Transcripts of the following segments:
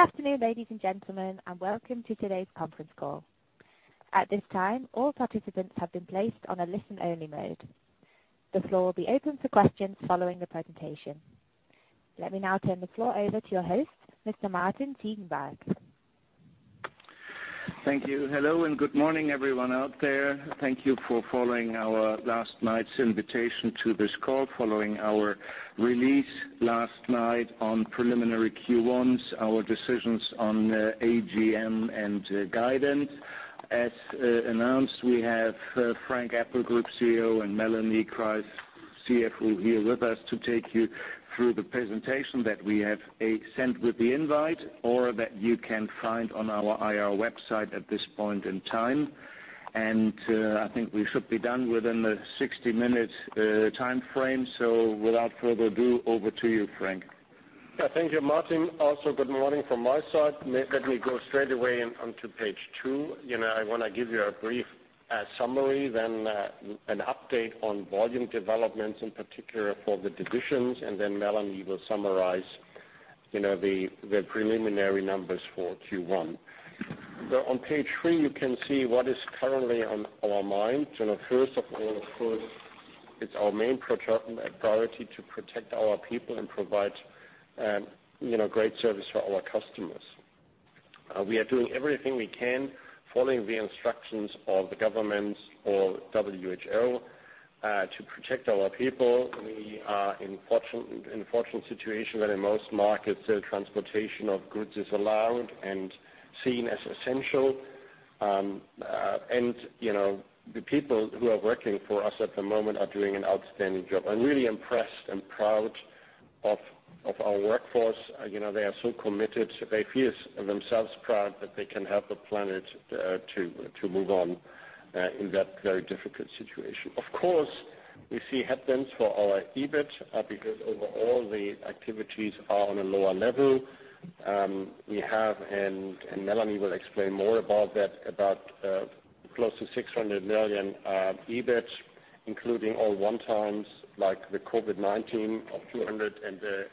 Good afternoon, ladies and gentlemen, and welcome to today's conference call. At this time, all participants have been placed on a listen-only mode. The floor will be open for questions following the presentation. Let me now turn the floor over to your host, Mr. Martin Ziegenbalg. Thank you. Hello, good morning, everyone out there. Thank you for following our last night's invitation to this call, following our release last night on preliminary Q1s, our decisions on AGM, and guidance. As announced, we have Frank Appel, Group CEO, and Melanie Kreis, CFO, here with us to take you through the presentation that we have sent with the invite or that you can find on our IR website at this point in time. I think we should be done within the 60-minute timeframe. Without further ado, over to you, Frank. Yeah. Thank you, Martin. Also, good morning from my side. Let me go straight away onto page two. I want to give you a brief summary, then an update on volume developments, in particular for the divisions, and then Melanie will summarize the preliminary numbers for Q1. On page three, you can see what is currently on our minds. First of all, of course, it's our main priority to protect our people and provide great service for our customers. We are doing everything we can, following the instructions of the governments or the WHO, to protect our people. We are in the fortunate situation where in most markets, transportation of goods is allowed and seen as essential. The people who are working for us at the moment are doing an outstanding job. I'm really impressed and proud of our workforce. They are so committed. They feel themselves proud that they can help the planet to move on in that very difficult situation. Of course, we see headwinds for our EBIT, because overall the activities are on a lower level. We have, and Melanie will explain more about that, about close to 600 million in EBIT, including all one-time items, like the COVID-19 of 200 million and the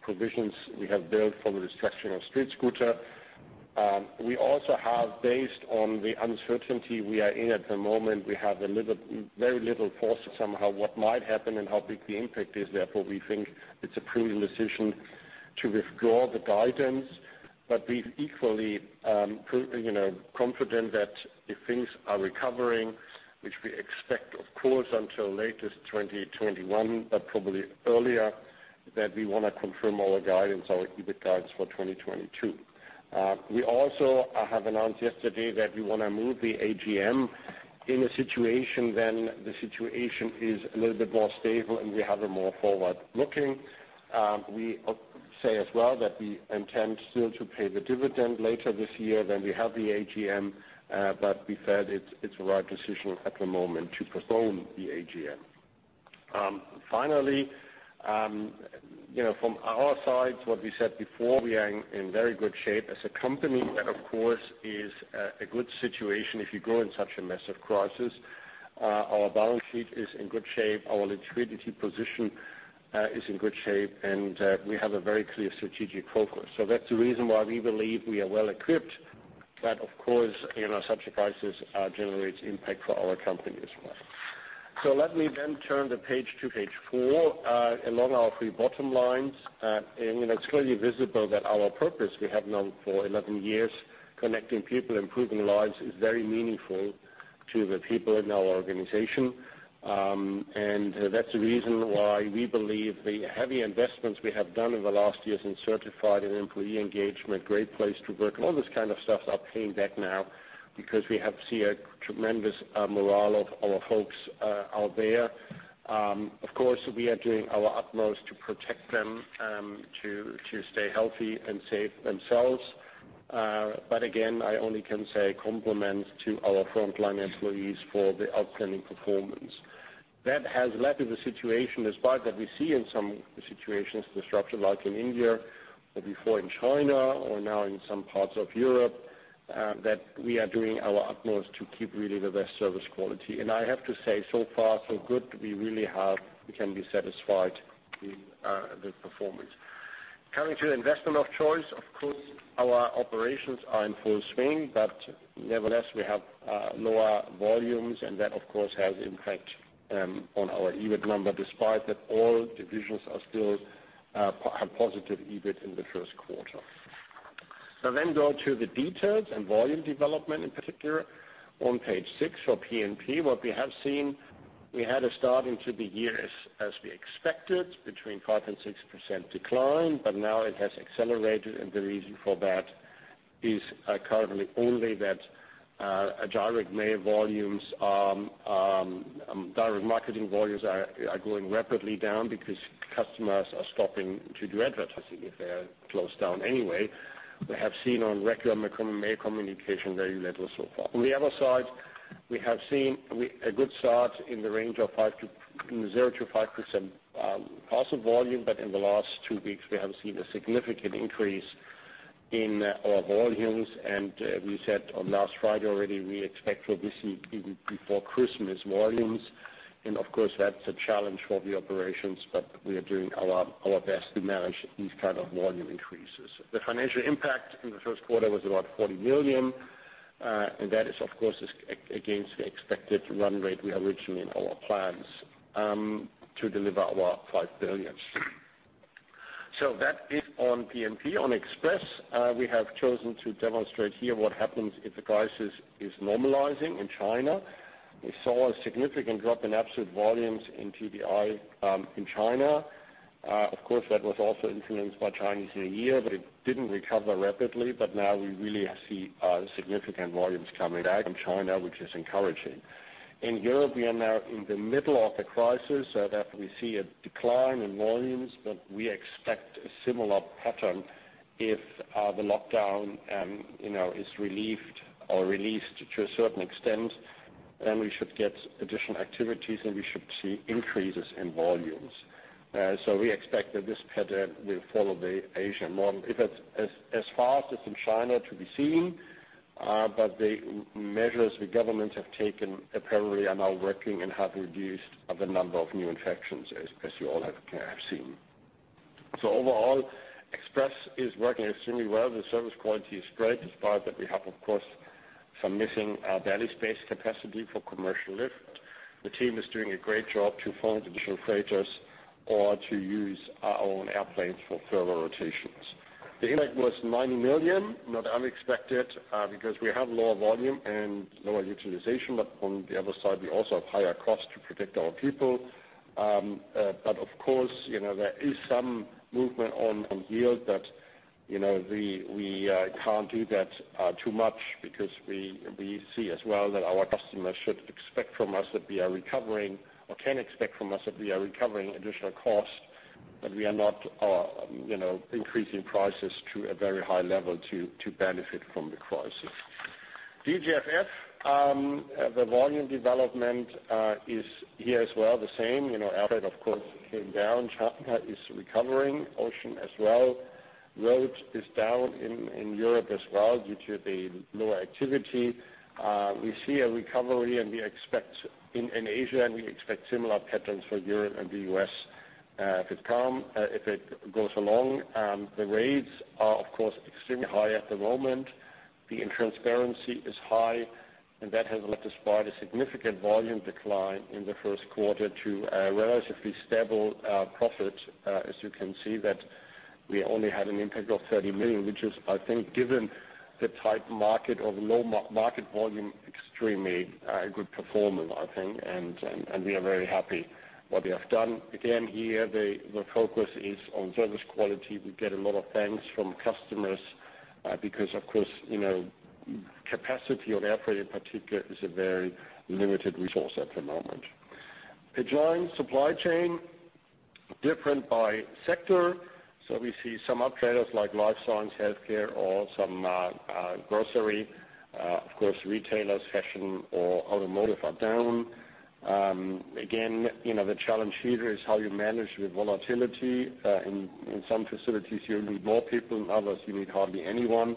provisions we have built for the restructuring of StreetScooter. Based on the uncertainty we are in at the moment, we have very little force on somehow what might happen and how big the impact is. We think it's a prudent decision to withdraw the guidance. We are equally confident that if things are recovering, which we expect, of course, until latest 2021, but probably earlier, we want to confirm our EBIT guidance for 2022. We also announced yesterday that we want to move the AGM in a situation when the situation is a little bit more stable and we are more forward-looking. We said as well that we intend still to pay the dividend later this year when we have the AGM. We said it's the right decision at the moment to postpone the AGM. From our side, as we said before, we are in very good shape as a company. That, of course, is a good situation if you go into such a massive crisis. Our balance sheet is in good shape, our liquidity position is in good shape, and we have a very clear strategic focus. That's the reason why we believe we are well equipped. Of course, such a crisis generates impact for our company as well. Let me then turn to page four. Along our three bottom lines, it's clearly visible that our purpose, which we have known for 11 years, connecting people and improving lives, is very meaningful to the people in our organization. That's the reason why we believe the heavy investments we have done in the last years in certified and employee engagement, Great Place to Work, and all this kind of stuff are paying back now, because we have seen a tremendous morale of our folks out there. Of course, we are doing our utmost to protect them to stay healthy and safe. Again, I can only give compliments to our frontline employees for the outstanding performance. That has led to the situation, despite that we see in some situations, like in India or before in China or now in some parts of Europe, that we are doing our utmost to keep really the best service quality. I have to say, so far so good. We really can be satisfied with the performance. Coming to the investment of choice, of course, our operations are in full swing, but nevertheless, we have lower volumes, and that, of course, has an impact on our EBIT number, despite that all divisions still have positive EBIT in the first quarter. Go to the details and volume development in particular. On page six for P&P, what we have seen is we had a start into the year as we expected, between a 5% and 6% decline. Now it has accelerated, and the reason for that is currently only that Direct marketing volumes are going rapidly down because customers are stopping doing advertising if they are closed down anyway. We have seen on regular mail communication so far. On the other side, we have seen a good start in the range of 0%-5% parcel volume. In the last two weeks, we have seen a significant increase in our volumes. We said it last Friday already, we expect this week even before Christmas volumes. Of course, that's a challenge for the operations, we are doing our best to manage these kind of volume increases. The financial impact in the first quarter was about 40 million. That is, of course, against the expected run rate we originally had in our plans to deliver our 5 billion. That is on P&P. On Express, we have chosen to demonstrate here what happens if the crisis is normalizing in China. We saw a significant drop in absolute volumes in TDI in China. Of course, that was also influenced by Chinese New Year, but it didn't recover rapidly. Now we really see significant volumes coming back from China, which is encouraging. In Europe, we are now in the middle of the crisis, so therefore we see a decline in volumes, but we expect a similar pattern if the lockdown is relieved or released to a certain extent. We should get additional activities, and we should see increases in volumes. We expect that this pattern will follow the Asian model. If it's as fast as in China to be seen, the measures the governments have taken apparently are now working and have reduced the number of new infections, as you all have seen. Overall, Express is working extremely well. The service quality is great, despite that we have, of course, some missing belly space capacity for commercial life. The team is doing a great job to find additional freighters or to use our own airplanes for further rotations. The impact was 90 million, not unexpected, because we have lower volume and lower utilization. On the other side, we also have a higher cost to protect our people. Of course, there is some movement on yield that we can't do too much about because we see as well that our customers should expect from us that we are recovering or can expect from us that we are recovering additional costs. We are not increasing prices to a very high level to benefit from the crisis. DGFF, the volume development is here as well, the same. Airfreight, of course, came down. China is recovering, and the ocean is as well. Roads are down in Europe as well due to the lower activity. We see a recovery in Asia, and we expect similar patterns for Europe and the U.S. If it goes along, the rates are, of course, extremely high at the moment. The intransparency is high, and that has led, despite a significant volume decline in the first quarter, to a relatively stable profit. As you can see, we only had an impact of 30 million, which is, I think, given the tight market or low market volume, extremely good performance, I think. We are very happy with what we have done. Again, here, the focus is on service quality. We get a lot of thanks from customers because, of course, capacity on airfreight in particular is a very limited resource at the moment. DHL Supply Chain is different by sector. We see some uptrends like Life Science, healthcare, or some grocery. Of course, retailers, fashion, or automotive are down. Again, the challenge here is how you manage the volatility. In some facilities, you need more people. In others, you need hardly anyone.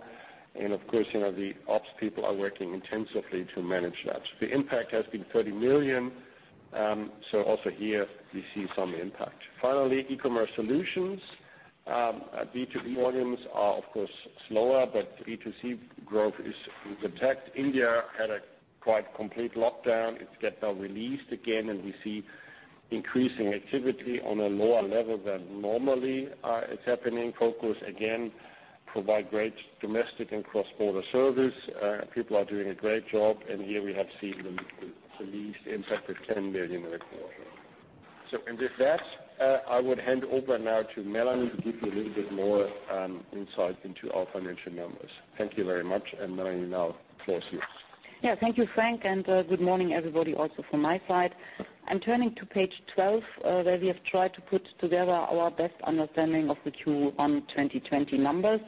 Of course, the ops people are working intensively to manage that. The impact has been 30 million. Also here we see some impact. Finally, e-commerce solutions. B2B volumes are, of course, slower, but B2C growth is protected. India had a quite complete lockdown. It gets now released again, and we see increasing activity on a lower level than normally it's happening. Focus, again, provides great domestic and cross-border service. People are doing a great job, and here we have seen the least impact of 10 million in the quarter. With that, I would hand over now to Melanie to give you a little bit more insight into our financial numbers. Thank you very much, and Melanie, now the floor is yours. Yeah. Thank you, Frank, and good morning, everybody, also from my side. I'm turning to page 12, where we have tried to put together our best understanding of the Q1 2020 numbers.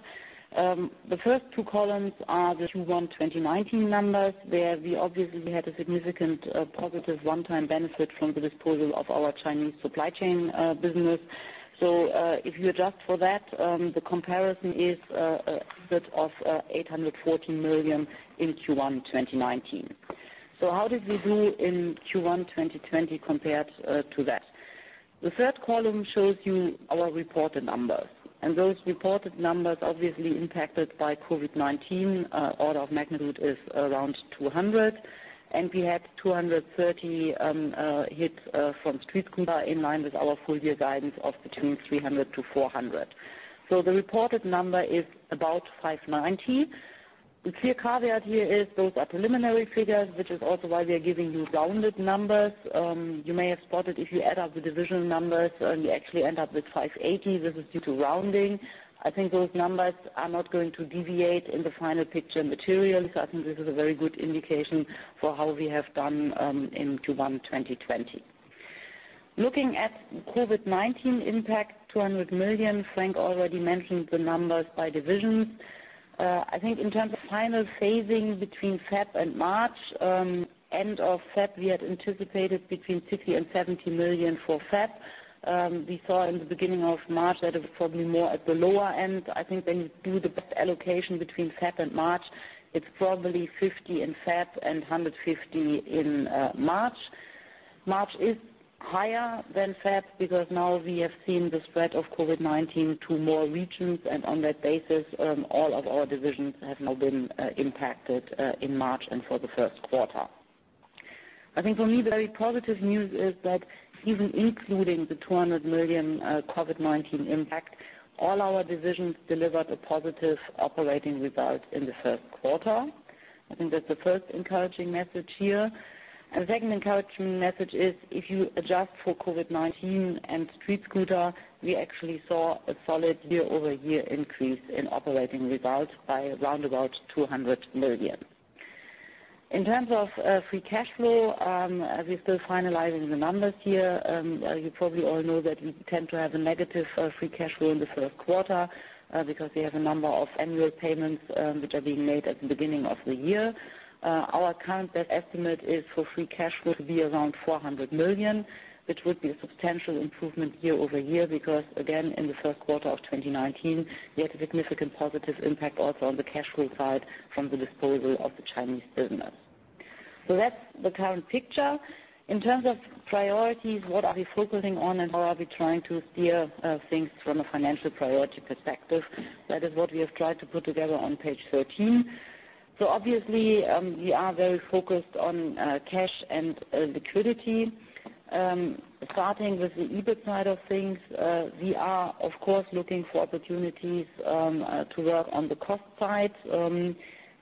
The first two columns are the Q1 2019 numbers, where we obviously had a significant positive one-time benefit from the disposal of our Chinese supply chain business. If you adjust for that, the comparison is a hit of 814 million in Q1 2019. How did we do in Q1 2020 compared to that? The third column shows you our reported numbers. Those reported numbers were obviously impacted by COVID-19. Order of magnitude is around 200, and we had 230 hits from StreetScooter in line with our full-year guidance of between 300-400. The reported number is about 590. The clear caveat here is those are preliminary figures, which is also why we are giving you rounded numbers. You may have spotted that if you add up the division numbers, you actually end up with 580. This is due to rounding. I think those numbers are not going to deviate in the final picture materially. I think this is a very good indication of how we have done in Q1 2020. Looking at COVID-19's impact, 200 million. Frank already mentioned the numbers by division. I think in terms of final phasing between Feb and March, end of Feb, we had anticipated between 50 million and 70 million for Feb. We saw in the beginning of March that it was probably more at the lower end. I think when you do the best allocation between Feb and March, it's probably 50 in Feb and 150 in March. March is higher than Feb because now we have seen the spread of COVID-19 to more regions. On that basis, all of our divisions have now been impacted in March and for the first quarter. I think for me, the very positive news is that even including the 200 million COVID-19 impact, all our divisions delivered a positive operating result in the first quarter. I think that's the first encouraging message here. The second encouraging message is if you adjust for COVID-19 and StreetScooter, we actually saw a solid year-over-year increase in operating results by around 200 million. In terms of Free Cash Flow, we're still finalizing the numbers here. You probably all know that we tend to have a negative Free Cash Flow in the first quarter because we have a number of annual payments that are being made at the beginning of the year. Our current estimate is for Free Cash Flow to be around 400 million, which would be a substantial improvement year-over-year because, again, in the first quarter of 2019, we had a significant positive impact also on the cash flow side from the disposal of the Chinese business. That's the current picture. In terms of priorities, what are we focusing on and how are we trying to steer things from a financial priority perspective? That is what we have tried to put together on page 13. Obviously, we are very focused on cash and liquidity. Starting with the EBIT side of things, we are, of course, looking for opportunities to work on the cost side.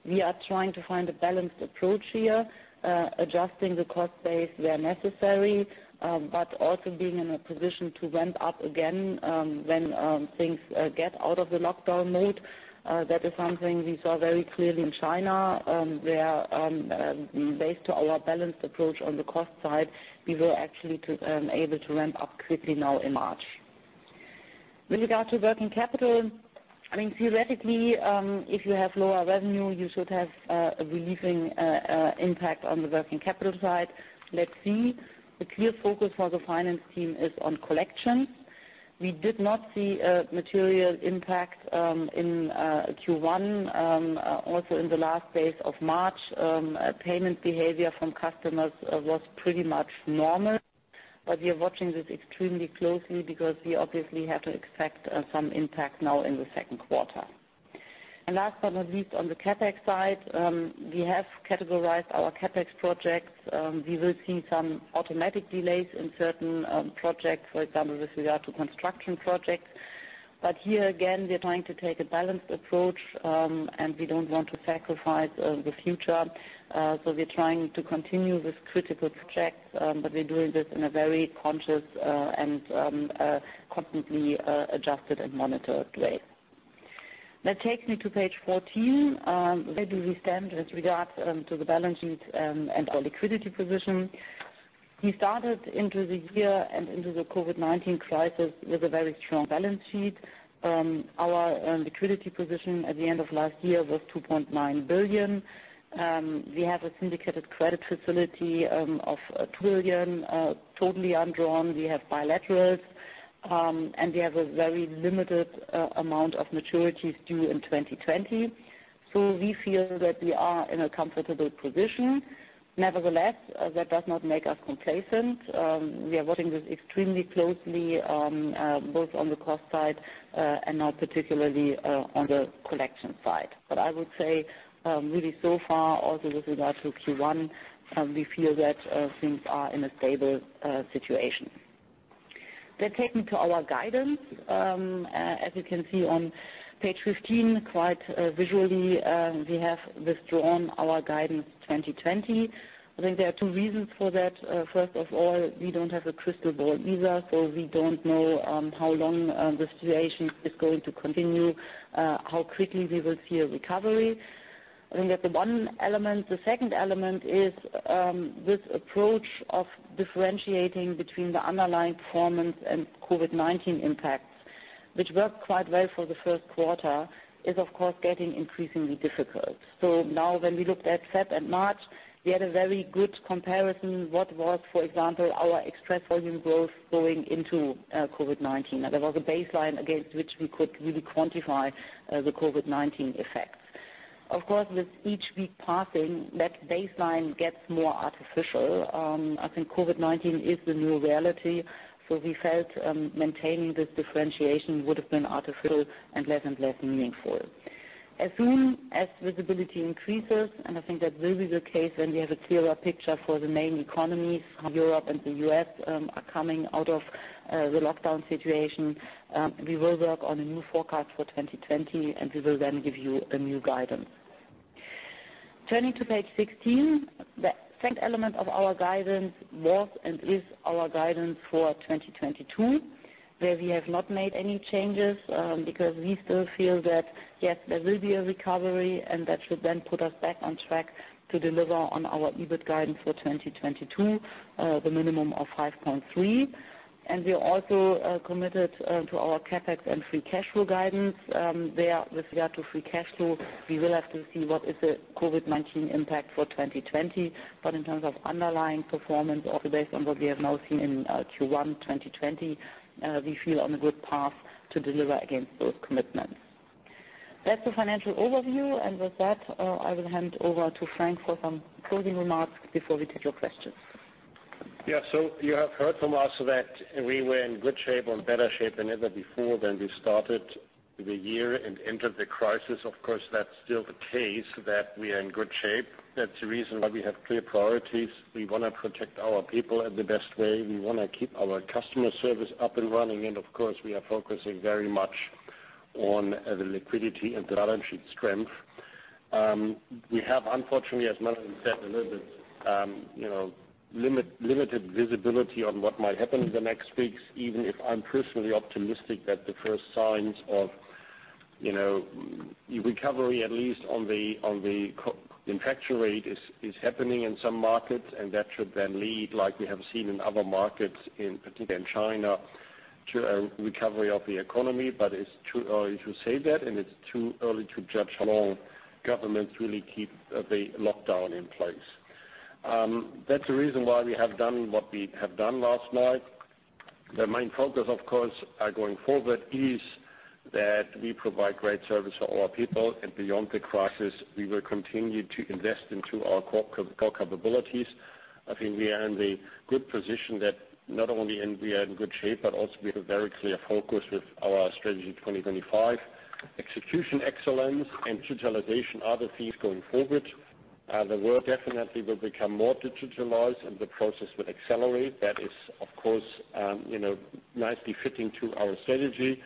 We are trying to find a balanced approach here, adjusting the cost base where necessary, but also being in a position to ramp up again when things get out of lockdown mode. That is something we saw very clearly in China, where, based on our balanced approach on the cost side, we were actually able to ramp up quickly now in March. With regard to Working Capital, theoretically, if you have lower revenue, you should have a relieving impact on the Working Capital side. Let's see. The clear focus for the finance team is on collections. We did not see a material impact in Q1. Also in the last days of March, payment behavior from customers was pretty much normal. We are watching this extremely closely because we obviously have to expect some impact now in the second quarter. Last but not least, on the CapEx side, we have categorized our CapEx projects. We will see some automatic delays in certain projects, for example, with regard to construction projects. Here, again, we are trying to take a balanced approach, and we don't want to sacrifice the future. We're trying to continue with critical projects, but we're doing this in a very conscious and constantly adjusted and monitored way. That takes me to page 14. Where do we stand with regards to the balance sheet and our liquidity position? We started the year and the COVID-19 crisis with a very strong balance sheet. Our liquidity position at the end of last year was 2.9 billion. We have a syndicated credit facility of 2 billion totally undrawn. We have bilaterals. We have a very limited amount of maturities due in 2020. We feel that we are in a comfortable position. Nevertheless, that does not make us complacent. We are watching this extremely closely, both on the cost side and now particularly on the collection side. I would say really so far, also with regard to Q1, we feel that things are in a stable situation. That takes me to our guidance. You can see on page 15, quite visually, we have withdrawn our guidance for 2020. There are two reasons for that. First of all, we don't have a crystal ball either. We don't know how long the situation is going to continue or how quickly we will see a recovery. That's the one element. The second element is this approach of differentiating between the underlying performance and COVID-19 impacts, which worked quite well for the first quarter, is, of course, getting increasingly difficult. Now when we look at February and March, we had a very good comparison. What was, for example, our express volume growth going into COVID-19? There was a baseline against which we could really quantify the COVID-19 effects. Of course, with each week passing, that baseline gets more artificial. I think COVID-19 is the new reality. We felt maintaining this differentiation would have been artificial and less and less meaningful. As soon as visibility increases, I think that will be the case when we have a clearer picture for the main economies, how Europe and the U.S. are coming out of the lockdown situation, we will work on a new forecast for 2020. We will then give you new guidance. Turning to page 16, the second element of our guidance was and is our guidance for 2022, where we have not made any changes because we still feel that, yes, there will be a recovery and that should then put us back on track to deliver on our EBIT guidance for 2022, the minimum of 5.3. We are also committed to our CapEx and Free Cash Flow guidance. There, with regard to Free Cash Flow, we will have to see what the COVID-19 impact is for 2020. In terms of underlying performance, also based on what we have now seen in Q1 2020, we feel on a good path to deliver against those commitments. That's the financial overview. With that, I will hand over to Frank for some closing remarks before we take your questions. Yeah. You have heard from us that we were in good shape or better shape than ever before when we started the year and entered the crisis. Of course, that's still the case: we are in good shape. That's the reason why we have clear priorities. We want to protect our people in the best way. We want to keep our customer service up and running. Of course, we are focusing very much on the liquidity and the balance sheet strength. We have, unfortunately, as Melanie said, a little bit limited visibility on what might happen in the next weeks, even if I'm personally optimistic that the first signs of recovery, at least on the infection rate, are happening in some markets. That should then lead, like we have seen in other markets, in particular in China, to a recovery of the economy. It's too early to say that, and it's too early to judge how long governments really keep the lockdown in place. That's the reason why we have done what we have done since last night. The main focus, of course, going forward is that we provide great service for our people, and beyond the crisis, we will continue to invest in our core capabilities. I think we are in the good position that not only are we in good shape, but also we have a very clear focus with our Strategy 2025. Execution excellence and digitalization are the themes going forward. The world definitely will become more digitalized, and the process will accelerate. That is, of course, nicely fitting to our strategy.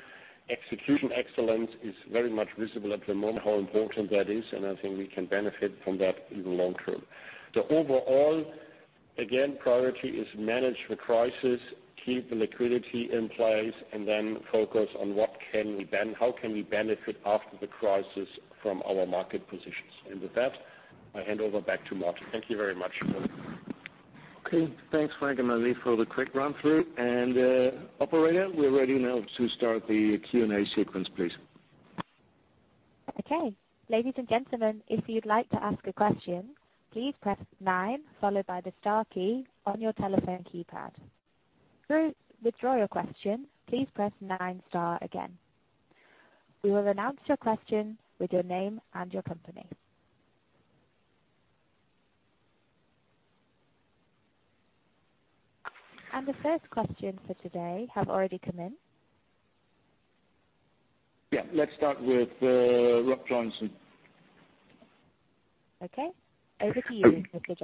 Execution excellence is very much visible at the moment how important that is, and I think we can benefit from that in the long term. Overall, again, the priority is to manage the crisis, keep the liquidity in place, and then focus on how we can benefit after the crisis from our market positions. With that, I hand it back to Martin. Thank you very much. Okay, thanks, Frank and Melanie, for the quick run-through. Operator, we're ready now to start the Q&A sequence, please. Okay. Ladies and gentlemen, if you'd like to ask a question, please press nine followed by the star key on your telephone keypad. To withdraw your question, please press nine and then star again. We will announce your question with your name and your company. The first question for today have already come in. Yeah, let's start with Rob Joynson. Okay, over to you, Mr.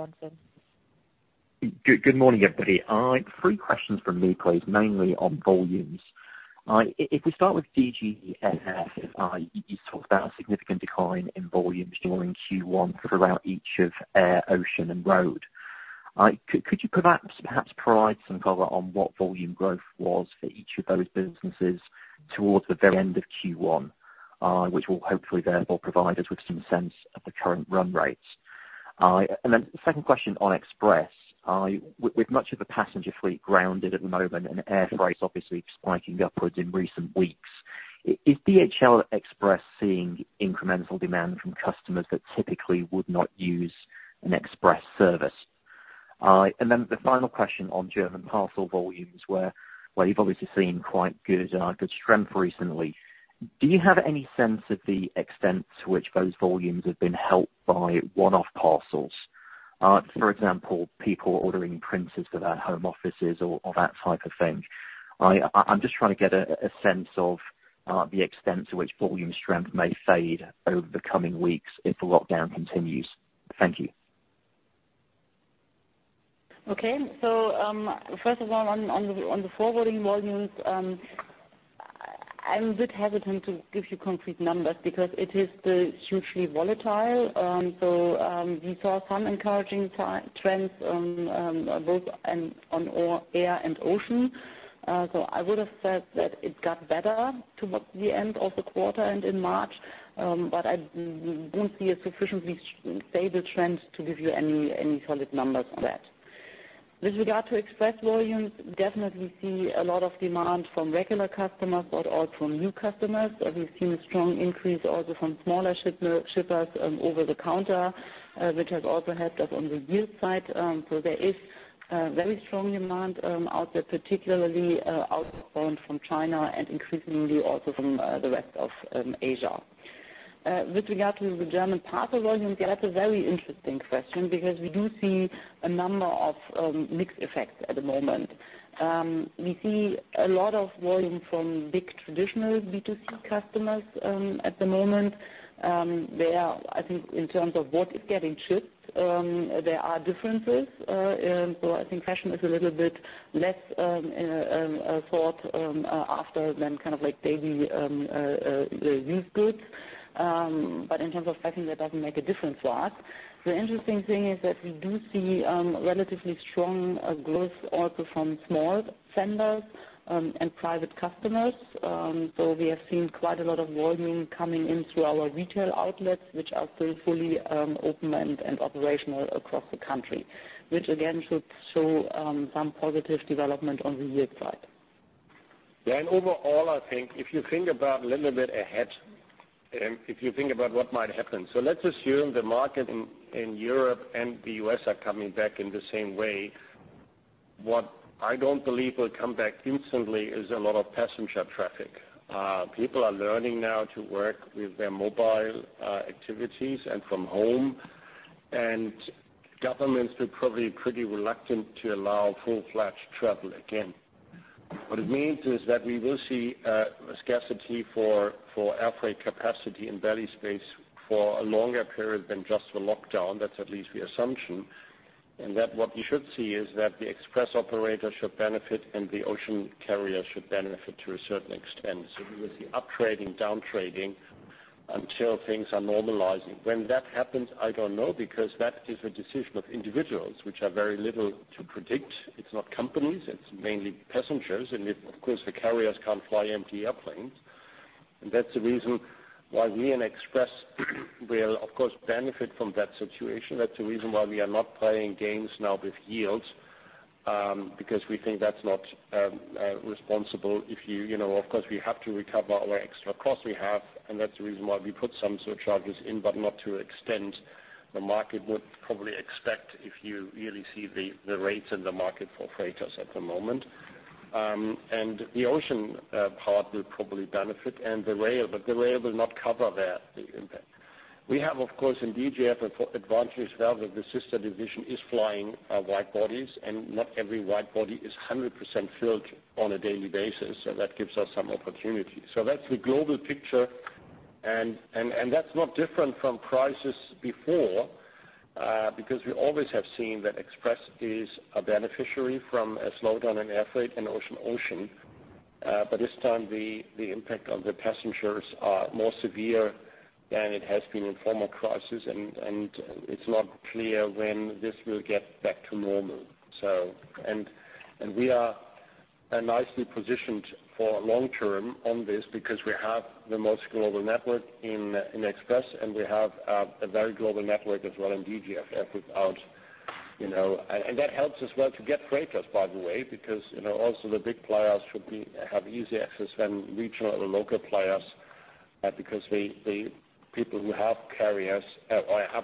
Joynson. Good morning, everybody. Three questions from me, please, mainly on volumes. If we start with DGFF, you talked about a significant decline in volumes during Q1 throughout air, ocean, and road. Could you perhaps provide some color on what volume growth was for each of those businesses towards the very end of Q1, which will hopefully therefore provide us with some sense of the current run rates? The second question on Express. With much of the passenger fleet grounded at the moment and air freight obviously spiking upwards in recent weeks, is DHL Express seeing incremental demand from customers that typically would not use an Express service? The final question on German parcel volumes, where you've obviously seen quite good strength recently. Do you have any sense of the extent to which those volumes have been helped by one-off parcels? For example, people ordering printers for their home offices or that type of thing. I'm just trying to get a sense of the extent to which volume strength may fade over the coming weeks if the lockdown continues. Thank you. First of all, on the forwarding volumes, I'm a bit hesitant to give you concrete numbers because it is still hugely volatile. We saw some encouraging trends in both air and ocean. I would've said that it got better towards the end of the quarter and in March. I don't see a sufficiently stable trend to give you any solid numbers on that. With regard to Express volumes, definitely see a lot of demand from regular customers but also from new customers. We've seen a strong increase also from smaller shippers over the counter, which has also helped us on the yield side. There is a very strong demand out there, particularly outbound from China and increasingly also from the rest of Asia. With regard to the German parcel volumes, that's a very interesting question because we do see a number of mixed effects at the moment. We see a lot of volume from big traditional B2C customers at the moment. I think in terms of what is getting shipped, there are differences. I think fashion is a little bit less sought after than kind of like daily-use goods. In terms of fashion, that doesn't make a difference for us. The interesting thing is that we do see relatively strong growth also from small vendors and private customers. We have seen quite a lot of volume coming in through our retail outlets, which are still fully open and operational across the country, which, again, should show some positive development on the yield side. Overall, I think if you think about it a little bit ahead, if you think about what might happen. Let's assume the market in Europe and the U.S. are coming back in the same way. What I don't believe will come back instantly is a lot of passenger traffic. People are learning now to work with their mobile activities and from home, and governments will probably be pretty reluctant to allow full-fledged travel again. What it means is that we will see a scarcity for air freight capacity and belly space for a longer period than just the lockdown. That's at least the assumption, and what you should see is that the express operator should benefit, and the ocean carrier should benefit to a certain extent. We will see up trading, down trading until things are normalizing. When that happens, I don't know, because that is a decision of individuals, which is very little to predict. It's not companies. It's mainly passengers. Of course, the carriers can't fly empty airplanes. That's the reason why we in Express will, of course, benefit from that situation. That's the reason why we are not playing games now with yields, because we think that's not responsible. Of course, we have to recover our extra costs we have. That's the reason why we put some surcharges in, but not to extend the market, which you would probably expect if you really saw the rates in the market for freighters at the moment. The ocean part will probably benefit from the rail, but the rail will not cover the impact. We have, of course, in DGF, an advantage now that the system division is flying wide bodies, and not every wide body is 100% filled on a daily basis, that gives us some opportunity. That's the global picture, and that's not different from crises before because we always have seen that Express is a beneficiary from a slowdown in air freight and ocean. This time, the impact on the passengers is more severe than it has been in former crises, and it's not clear when this will get back to normal. We are nicely positioned for the long term on this because we have the most global network in Express, and we have a very global network as well in DGF. That helps as well to get freighters, by the way, because also the big players should have easier access than regional or local players because the people who have carriers or have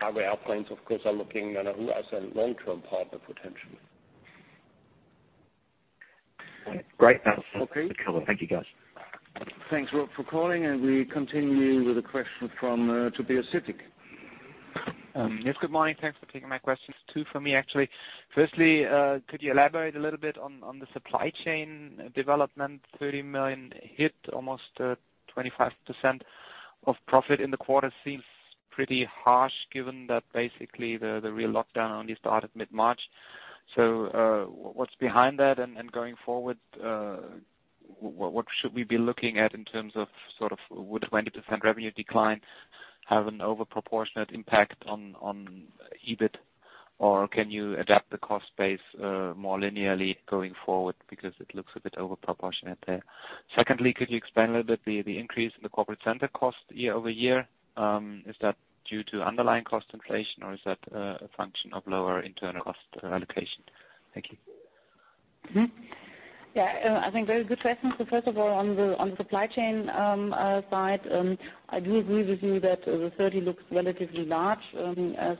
cargo airplanes, of course, are looking at who has a long-term partner potentially. Great. That's good cover. Thank you, guys. Thanks, Rob, for calling, and we continue with a question from Tobias Sittig. Yes, good morning. Thanks for taking my questions. Two for me, actually. Firstly, could you elaborate a little bit on the supply chain development? 30 million hit, almost 25% of profit in the quarter, seems pretty harsh given that basically the real lockdown only started mid-March. What's behind that, and going forward, what should we be looking at in terms of would 20% revenue decline have an over proportionate impact on EBIT? Can you adapt the cost base more linearly going forward because it looks a bit over proportionate there? Secondly, could you expand a little bit on the increase in the corporate center cost year-over-year? Is that due to underlying cost inflation, or is that a function of lower internal cost allocation? Thank you. Yeah, I think they're very good questions. First of all, on the supply chain side, I do agree with you that the 30 million looks relatively large.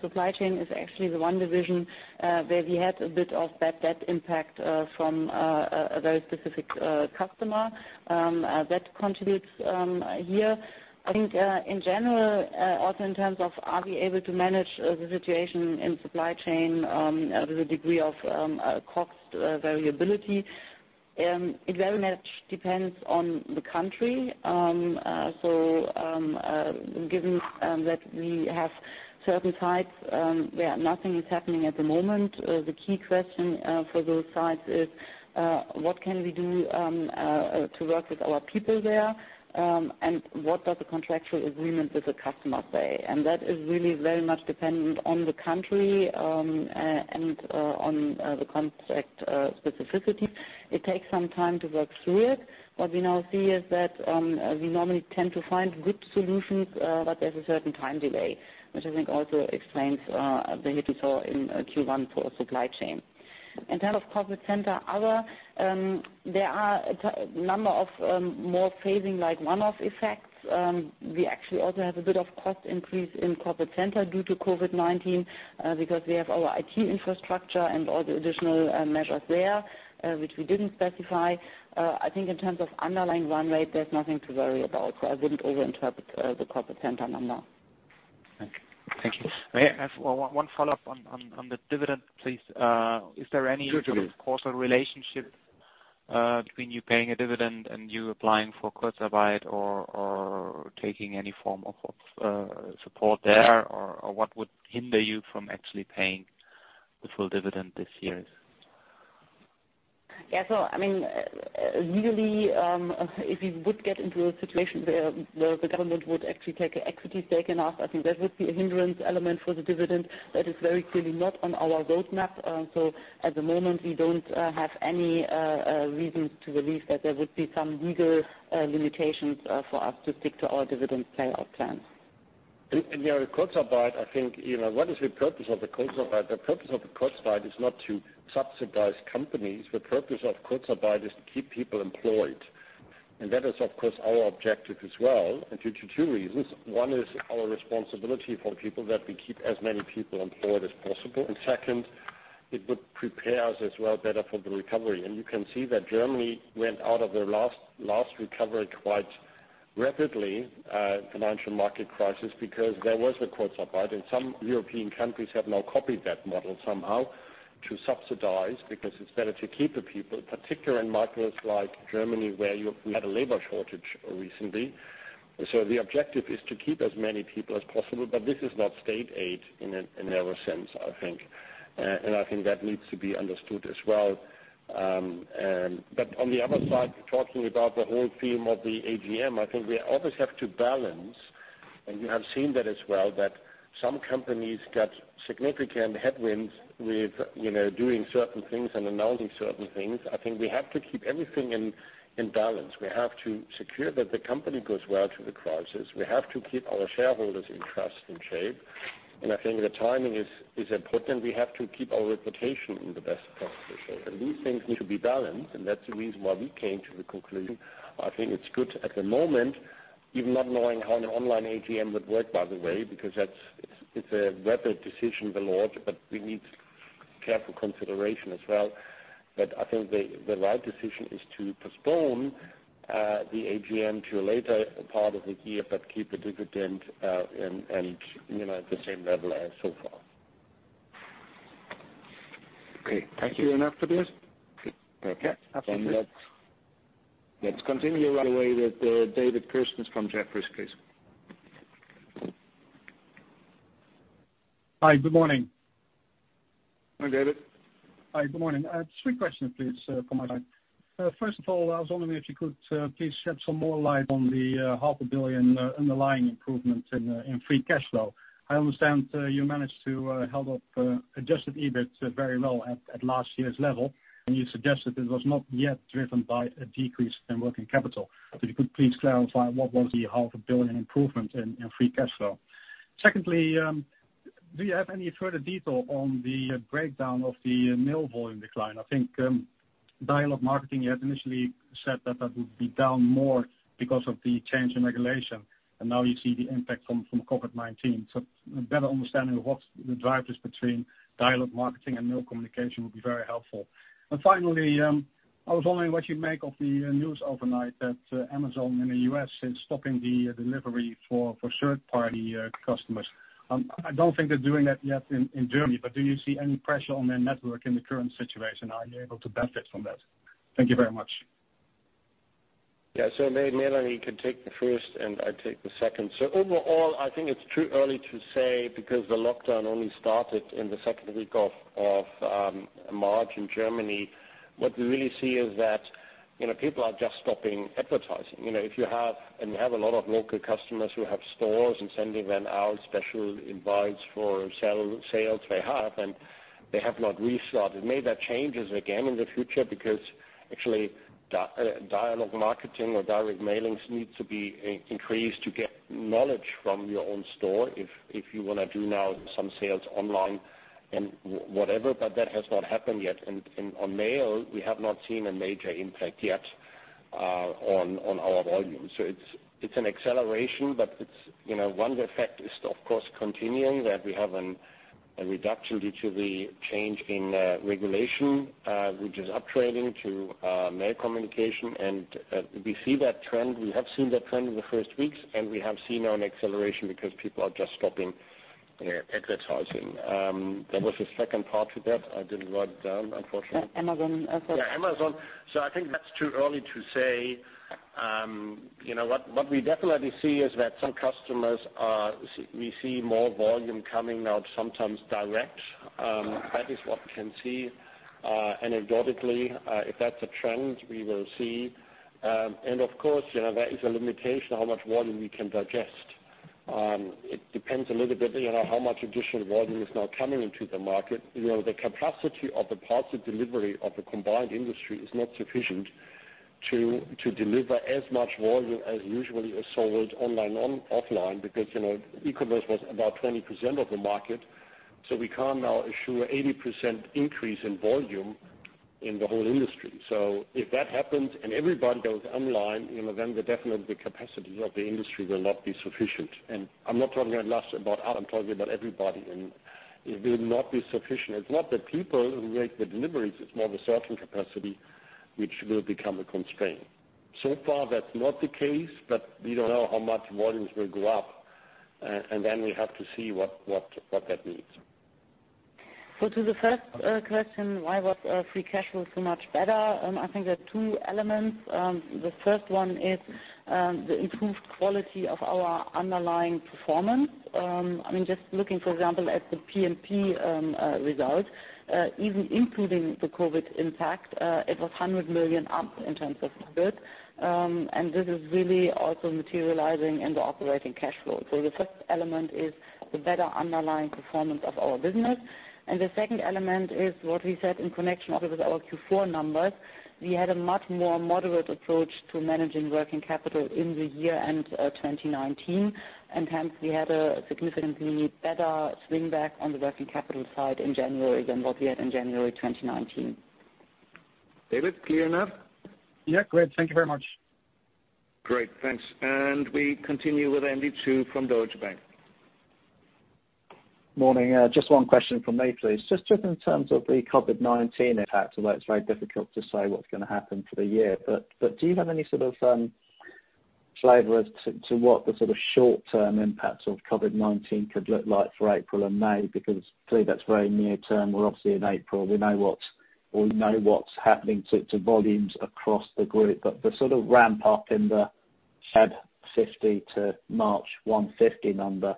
Supply chain is actually the one division where we had a bit of bad debt impact from a very specific customer. That contributes here. I think in general, also in terms of whether we're able to manage the situation in the supply chain, there's a degree of cost variability. It very much depends on the country. Given that we have certain sites where nothing is happening at the moment, the key question for those sites is what can we do to work with our people there? What does the contractual agreement with the customer say? That is really very much dependent on the country and on the contract specificity. It takes some time to work through it. What we now see is that we normally tend to find good solutions, but there's a certain time delay, which I think also explains the hit we saw in Q1 for supply chain. In terms of corporate center, there are a number of more phasing, like one-off effects. We actually also have a bit of a cost increase in the corporate center due to COVID-19 because we have our IT infrastructure and all the additional measures there, which we didn't specify. I think in terms of underlying run rate, there's nothing to worry about. I wouldn't overinterpret the corporate center number. Thank you. May I ask one follow-up on the dividend, please? Sure. Is there any causal relationship between you paying a dividend and you applying for Kurzarbeit or taking any form of support there? What would hinder you from actually paying the full dividend this year? Yeah. Really, if we would get into a situation where the government would actually take an equity stake in us, I think that would be a hindrance element for the dividend. That is very clearly not on our roadmap. At the moment, we don't have any reasons to believe that there would be some legal limitations for us to stick to our dividend payout plans. Kurzarbeit, I think, what is the purpose of the Kurzarbeit? The purpose of the Kurzarbeit is not to subsidize companies. The purpose of Kurzarbeit is to keep people employed. That is, of course, our objective as well, due to two reasons. One is our responsibility for people, that we keep as many people employed as possible. Second, it would prepare us as well better for the recovery. You can see that Germany went out of their last recovery quite rapidly, a financial market crisis, because there was a Kurzarbeit. Some European countries have now copied that model somehow to subsidize, because it's better to keep the people, particularly in markets like Germany, where we had a labor shortage recently. The objective is to keep as many people as possible, but this is not state aid in a narrow sense, I think. I think that needs to be understood as well. On the other side, talking about the whole theme of the AGM, I think we always have to balance, and you have seen that as well, that some companies got significant headwinds with doing certain things and announcing certain things. I think we have to keep everything in balance. We have to secure that the company goes well through the crisis. We have to keep our shareholders' interests in shape. I think the timing is important. We have to keep our reputation in the best possible shape. These things need to be balanced, and that's the reason why we came to the conclusion. I think it's good at the moment, even not knowing how an online AGM would work, by the way, because it's a rapid decision and the law, but we need careful consideration as well. I think the right decision is to postpone the AGM to a later part of the year, but keep the dividend at the same level as so far. Okay. Thank you. Enough of this? Okay. Let's continue right away with David Kerstens from Jefferies, please. Hi, good morning. Hi, David. Hi, good morning. Three questions, please, from my side. I was wondering if you could please shed some more light on the half a billion underlying improvement in Free Cash Flow. I understand you managed to hold up adjusted EBIT very well at last year's level. You suggested it was not yet driven by a decrease in Working Capital. If you could, please clarify what the half a billion improvement in Free Cash Flow. Do you have any further detail on the breakdown of the mail volume decline? I think Dialog Marketing, you had initially said that that would be down more because of the change in regulation. Now you see the impact from COVID-19. A better understanding of what the drive is between Dialog Marketing and mail communication would be very helpful. Finally, I was wondering what you make of the news overnight that Amazon in the U.S. is stopping the delivery for third-party customers. I don't think they're doing that yet in Germany, do you see any pressure on their network in the current situation? Are you able to benefit from that? Thank you very much. Yeah. Maybe Melanie can take the first, and I take the second. Overall, I think it's too early to say because the lockdown only started in the second week of March in Germany. What we really see is that people are just stopping advertising. If you have, and we have a lot of local customers who have stores, we are sending them special invites for sales they have, and they have not restarted. Maybe that changes again in the future because, actually, Dialog Marketing or direct mailings need to be increased to get knowledge from your own store if you want to do some sales online or whatever now, but that has not happened yet. On mail, we have not seen a major impact yet on our volume. It's an acceleration, but one effect is, of course, continuing that we have a reduction due to the change in regulation, which is up-trading to mail communication. We see that trend. We have seen that trend in the first weeks, and we have seen now an acceleration because people are just stopping advertising. There was a second part to that. I didn't write it down, unfortunately. That's Amazon. Yeah, Amazon. I think that's too early to say. What we definitely see is that some customers—we see more volume coming now, sometimes direct. That is what we can see anecdotally. If that's a trend, we will see. Of course, there is a limitation to how much volume we can digest. It depends a little bit how much additional volume is now coming into the market. The capacity of the parcel delivery of the combined industry is not sufficient to deliver as much volume as is usually sold online and offline because e-commerce is about 20% of the market. We can't now assure an 80% increase in volume in the whole industry. If that happens and everybody goes online, definitely the capacity of the industry will not be sufficient. I'm not talking at last about us, I'm talking about everybody, and it will not be sufficient. It's not the people who make the deliveries, it's more the sorting capacity, which will become a constraint. So far, that's not the case, but we don't know how much volumes will go up, and then we have to see what that means. To the first question, why was Free Cash Flow so much better? I think there are two elements. The first one is the improved quality of our underlying performance. Just looking, for example, at the P&P result, even including the COVID impact, it was 100 million up in terms of EBIT. This is really also materializing in the operating cash flow. The first element is the better underlying performance of our business. The second element is what we said in connection with our Q4 numbers. We had a much more moderate approach to managing Working Capital in the year-end 2019, and hence we had a significantly better swing back on the Working Capital side in January than what we had in January 2019. David, clear now? Yeah. Great. Thank you very much. Great. Thanks. We continue with Andy Chu from Deutsche Bank. Morning. Just one question from me, please. Just in terms of the COVID-19 impact, although it's very difficult to say what's going to happen for the year. Do you have any sort of flavor as to what the sort of short-term impacts of COVID-19 could look like for April and May? Clearly that's very near-term. We're obviously in April. We know what's happening to volumes across the group. The sort of ramp-up in the Feb 50 to March 150 number,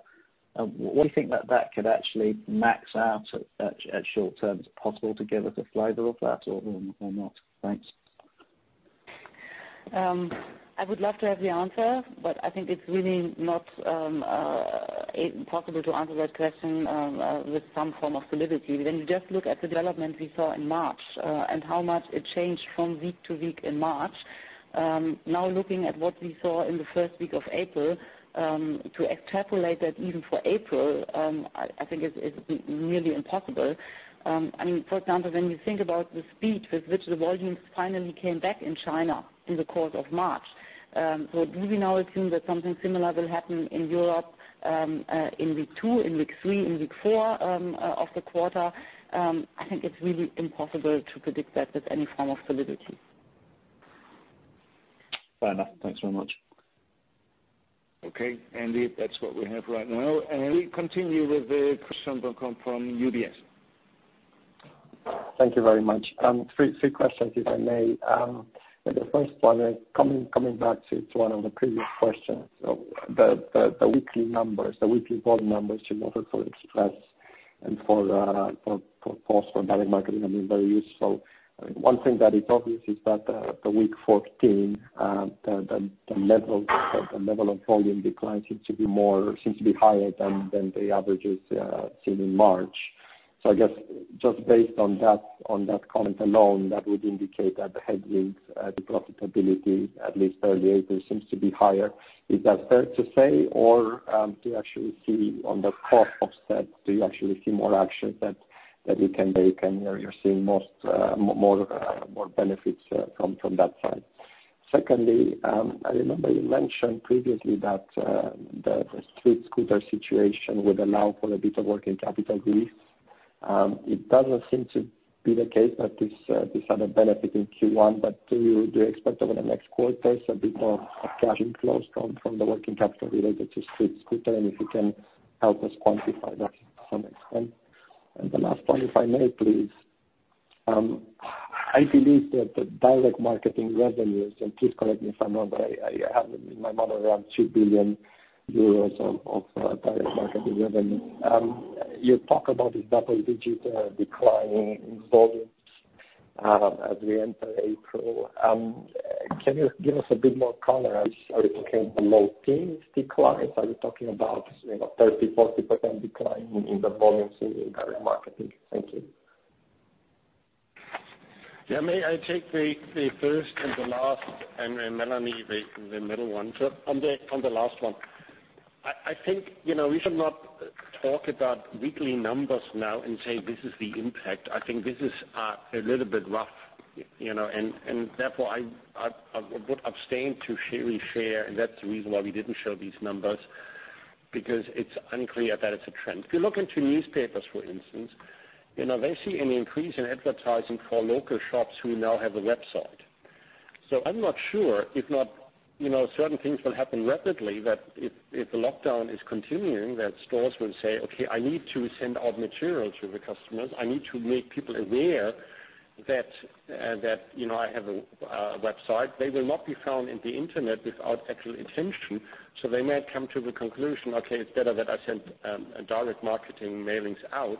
what do you think that could actually max out at in the short term? Is it possible to give us a flavor of that or not? Thanks. I would love to have the answer, but I think it's really not possible to answer that question with some form of solidity. When you just look at the development we saw in March and how much it changed from week to week in March. Looking at what we saw in the first week of April, to extrapolate that even for April, I think is really impossible. When you think about the speed with which the volumes finally came back in China in the course of March. Do we now assume that something similar will happen in Europe in week two, in week three, and in week four of the quarter? I think it's really impossible to predict that with any form of solidity. Fair enough. Thanks very much. Okay, Andy. That's what we have right now. We continue with Cristian Nedelcu from UBS. Thank you very much. Three questions, if I may. The first one, coming back to one of the previous questions of the weekly volume numbers you offered for Express and for Post and Direct Marketing, has been very useful. One thing that is obvious is that in week 14, the level of volume decline seems to be higher than the averages seen in March. I guess just based on that comment alone, that would indicate that the headwind, the profitability, at least early in April, seems to be higher. Is that fair to say, or do you actually see the cost offset, do you actually see more actions that you can take, and are you seeing more benefits from that side? Secondly, I remember you mentioned previously that the StreetScooter situation would allow for a bit of Working Capital release. It doesn't seem to be the case that this had a benefit in Q1, but do you expect over the next quarters a bit more cash inflow from the Working Capital related to StreetScooter? If you can help us quantify that to some extent. The last one, if I may, please. I believe that the Direct Marketing revenues, and please correct me if I'm wrong, but I have in my model around 2 billion euros of Direct Marketing revenue. You talk about this double-digit decline in volumes as we enter April. Can you give us a bit more color? Are we talking low-teen declines? Are we talking about a 30%-40% decline in the volumes in Direct Marketing? Thank you. Yeah. May I take the first and the last, and Melanie, the middle one? On the last one, I think we should not talk about weekly numbers now and say this is the impact. I think this is a little bit rough. Therefore, I would abstain from really sharing, and that's the reason why we didn't show these numbers, because it's unclear that it's a trend. If you look into newspapers, for instance, they see an increase in advertising for local shops who now have a website. I'm not sure if not certain things will happen rapidly, that if the lockdown continues, stores will say, Okay, I need to send out material to the customers. I need to make people aware that I have a website. They will not be found on the internet without actual intention. They might come to the conclusion, Okay, it's better that I send Direct Marketing mailings out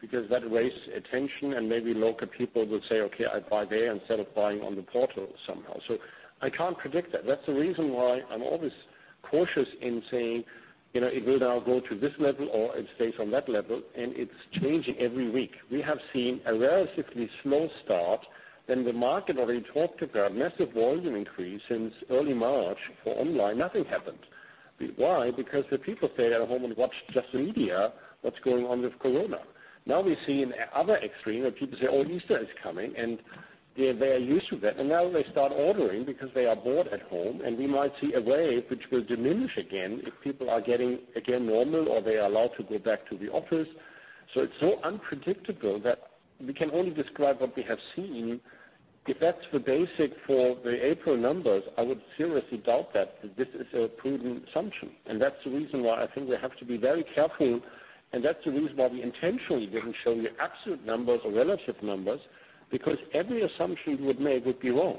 because that raises attention, and maybe local people will say, Okay, I buy there instead of buying on the portal somehow. I can't predict that. That's the reason why I'm always cautious in saying it will now go to this level or it stays on that level, and it's changing every week. We have seen a relatively slow start. The market already talked about a massive volume increase since early March for online. Nothing happened. Why? Because the people stay at home and watch just the media, what's going on with Corona? Now we see in another extreme that people say, Oh, Easter is coming, and they are used to that. Now they start ordering because they are bored at home, and we might see a wave that will diminish again if people are getting back to normal or they are allowed to go back to the office. It's so unpredictable that we can only describe what we have seen. If that's the basis for the April numbers, I would seriously doubt that this is a prudent assumption. That's the reason why I think we have to be very careful. That's the reason why we intentionally didn't show you absolute numbers or relative numbers, because every assumption we would make would be wrong.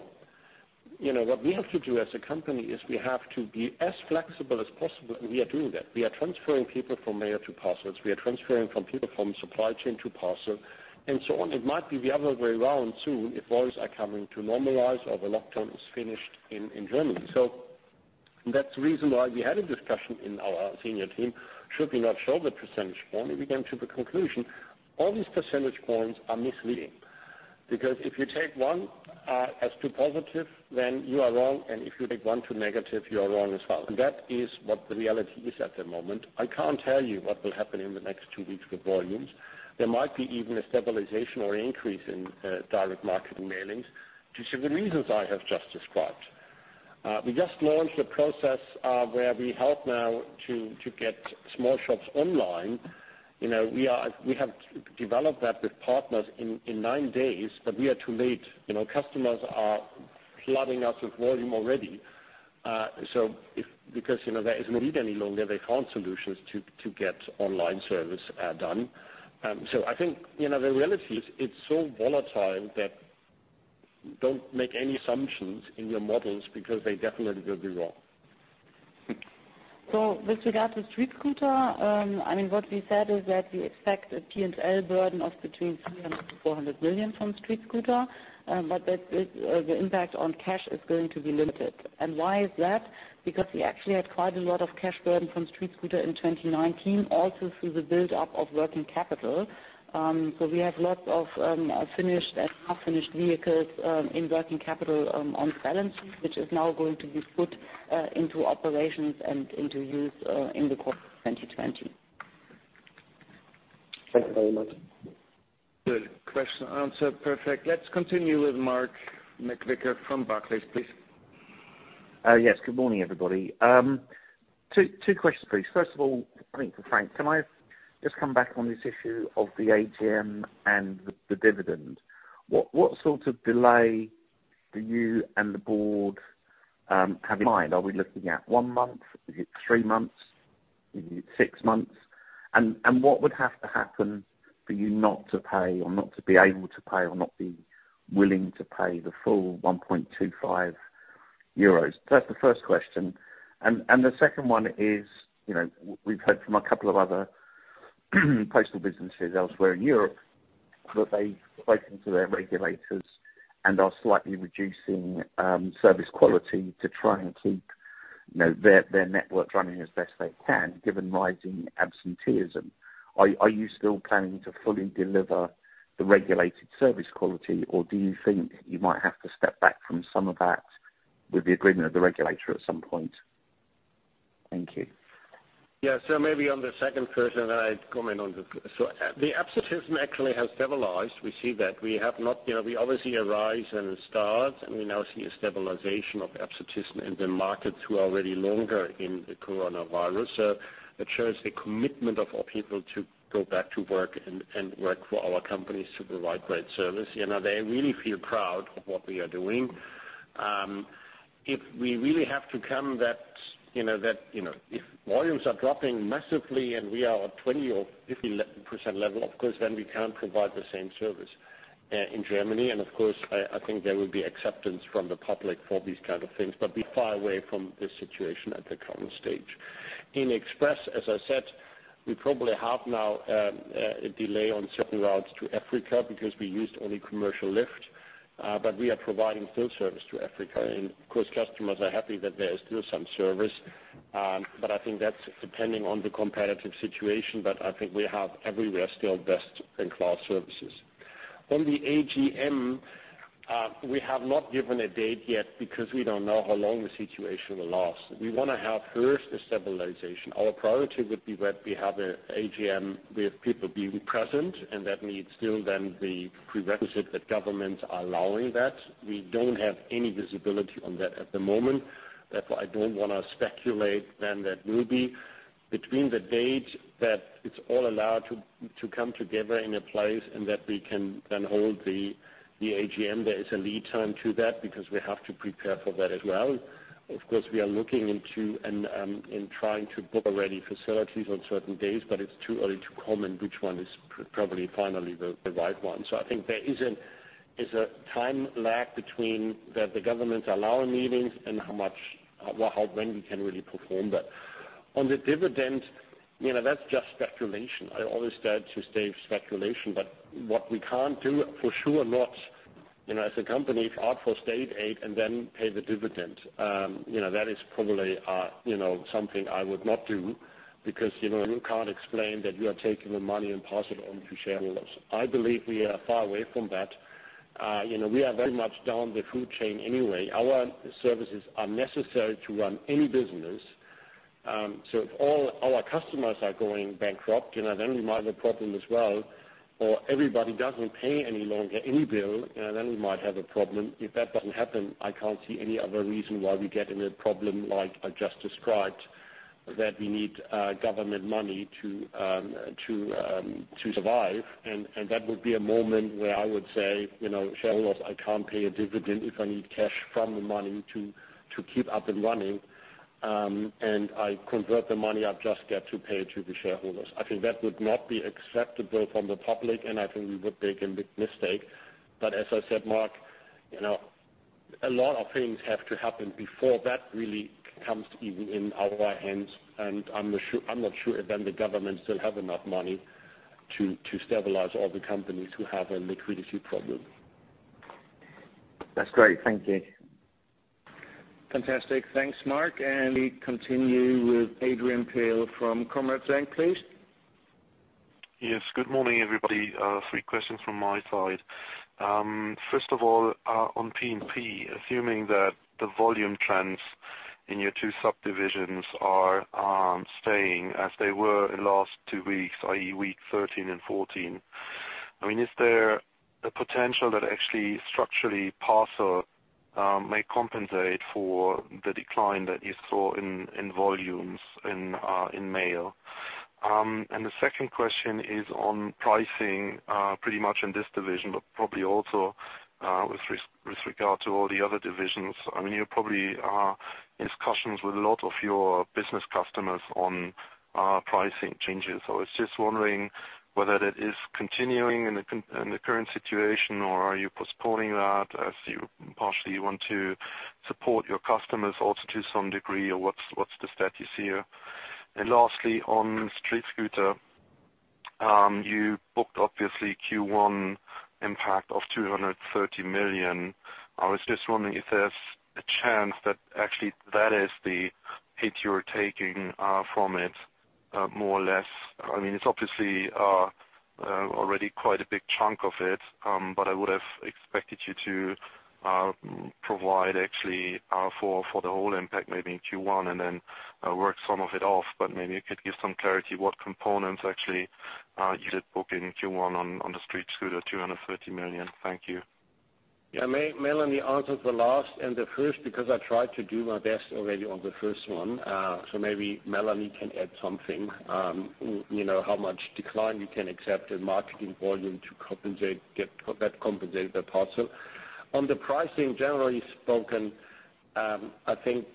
What we have to do as a company is we have to be as flexible as possible, and we are doing that. We are transferring people from mail to parcels. We are transferring people from supply chain to parcel, and so on. It might be the other way around, too, if volumes are coming to normalize or the lockdown is finished in Germany. That's the reason why we had a discussion in our senior team: should we not show the percentage point? We came to the conclusion all these percentage points are misleading. Because if you take one as too positive, then you are wrong. If you take one to be negative, you are wrong as well. That is what the reality is at the moment. I can't tell you what will happen in the next two weeks with volumes. There might be even a stabilization or increase in Direct Marketing mailings due to the reasons I have just described. We just launched a process where we help now to get small shops online. We have developed that with partners in nine days, but we are too late. Customers are flooding us with volume already. There is no need any longer, they found solutions to get online service done. I think the reality is it's so volatile that you don't make any assumptions in your models because they definitely will be wrong. With regard to StreetScooter, what we said is that we expect a P&L burden of between 300 million and 400 million from StreetScooter. The impact on cash is going to be limited. Why is that? Because we actually had quite a lot of cash burden from StreetScooter in 2019, also through the build-up of Working Capital. We have lots of finished and half-finished vehicles in Working Capital on balance, which is now going to be put into operations and into use in the course of 2020. Thank you very much. Good. Question answered. Perfect. Let's continue with Mark McVicar from Barclays, please. Yes. Good morning, everybody. Two questions, please. First of all, I think for Frank, can I just come back on this issue of the AGM and the dividend? What sort of delay do you and the board have in mind? Are we looking at one month? Is it three months? Is it six months? What would have to happen for you not to pay or not to be able to pay or not be willing to pay the full 1.25 euros? That's the first question. The second one is we've heard from a couple of other postal businesses elsewhere in Europe that they've spoken to their regulators and are slightly reducing service quality to try and keep their network running as best they can, given rising absenteeism. Are you still planning to fully deliver the regulated service quality, or do you think you might have to step back from some of that with the agreement of the regulator at some point? Thank you. Maybe on the second question, then I comment that absenteeism actually has stabilized. We see that. We obviously arise and start, and we now see a stabilization of absenteeism in the markets who are already longer in the coronavirus. It shows the commitment of our people to go back to work and work for our companies to provide great service. They really feel proud of what we are doing. If we really have to come, if volumes are dropping massively and we are at a 20% or 50% level, of course, then we can't provide the same service in Germany. Of course, I think there will be acceptance from the public for these kinds of things. We're far away from this situation at the current stage. In Express, as I said, we probably have now a delay on certain routes to Africa because we used only commercial lift. We are providing full service to Africa. Of course, customers are happy that there is still some service. I think that depends on the competitive situation. I think we have everywhere still best-in-class services. At the AGM, we have not given a date yet because we don't know how long the situation will last. We want to have stabilization first. Our priority would be that we have an AGM with people being present, and that needs still the prerequisite that governments are allowing that. We don't have any visibility on that at the moment. Therefore, I don't want to speculate when that will be. Between the date that it's all allowed to come together in a place and that we can then hold the AGM, there is a lead time to that because we have to prepare for that as well. We are looking into and trying to book already-booked facilities on certain days. It's too early to comment which one is probably finally the right one. I think there is a time lag between when the governments allow meetings and when we can really perform. On the dividend, that's just speculation. I always said to avoid speculation. What we can't do for sure is not, as a company, go out for state aid and then pay the dividend. That is probably something I would not do because you really can't explain that you are taking the money and passing it on to shareholders. I believe we are far away from that. We are very much down the food chain anyway. Our services are necessary to run any business. If all our customers are going bankrupt, then we might have a problem as well, or if everybody doesn't pay any bill any longer, then we might have a problem. If that doesn't happen, I can't see any other reason why we get in a problem like I just described, that we need government money to survive. That would be a moment where I would say, Shareholders, I can't pay a dividend if I need cash from the money to keep up and running. I convert the money I've just got to pay to the shareholders. I think that would not be acceptable from the public, and I think we would make a big mistake. As I said, Mark, a lot of things have to happen before that really comes even in our hands. I'm not sure if the government still has enough money to stabilize all the companies that have a liquidity problem. That's great. Thank you. Fantastic. Thanks, Mark. We continue with Adrian Peil from Commerzbank, please. Yes. Good morning, everybody. Three questions from my side. First of all, on P&P. Assuming that the volume trends in your two subdivisions are staying as they were in the last two weeks, i.e., weeks 13 and 14, is there a potential that actually structurally parcel may compensate for the decline that you saw in volumes in Mail? The second question is on pricing, pretty much in this division, but probably also with regard to all the other divisions. You're probably in discussions with a lot of your business customers on pricing changes. I was just wondering whether that is continuing in the current situation or if you are postponing that as you partially want to support your customers also to some degree, or what's the status here? Lastly, on StreetScooter. You booked, obviously, a Q1 impact of 230 million. I was just wondering if there's a chance that actually that is the hit you're taking from it, more or less. It's obviously already quite a big chunk of it. I would've expected you to provide actually for the whole impact maybe in Q1 and then work some of it off. Maybe you could give some clarity on what components you actually did book in Q1 on the StreetScooter for 230 million. Thank you. Yeah. Melanie answered the last and the first because I tried to do my best already on the first one. Melanie can add something. How much decline you can accept in marketing volume to get that compensated but partial. On the pricing, generally speaking, I think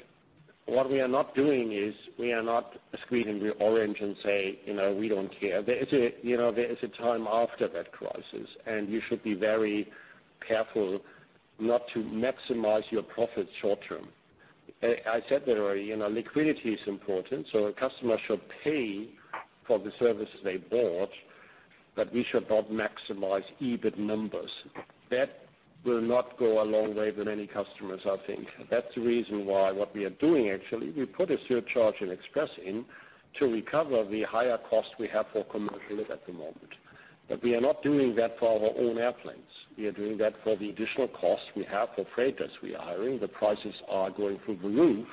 what we are not doing is we are not squeezing the orange and saying, We don't care. There is a time after that crisis, you should be very careful not to maximize your profits short-term. I said that already. Liquidity is important, a customer should pay for the service they bought, we should not maximize EBIT numbers. That will not go a long way with many customers, I think. That's the reason why what we are doing, actually, we put a surcharge and Express in to recover the higher cost we have for commercial at the moment. We are not doing that for our own airplanes. We are doing that for the additional cost we have for freighters we are hiring. The prices are going through the roof,